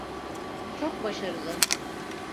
Çok başarılı.